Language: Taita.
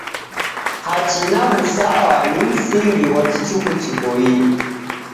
Hachi na w'usawa ni msingi ghwa kichuku chiboie.